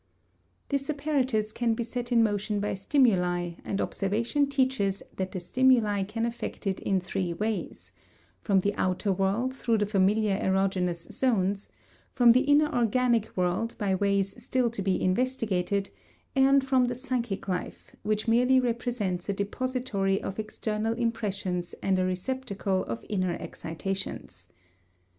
This apparatus can be set in motion by stimuli, and observation teaches that the stimuli can affect it in three ways: from the outer world through the familiar erogenous zones; from the inner organic world by ways still to be investigated; and from the psychic life, which merely represents a depository of external impressions and a receptacle of inner excitations.